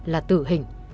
là tử hình